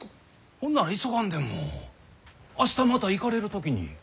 ほんなら急がんでも明日また行かれる時に。